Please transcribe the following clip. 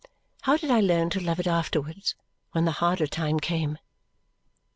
How did I learn to love it afterwards, when the harder time came!